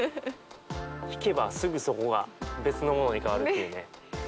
ひけばすぐそこが別のものに変わるというね。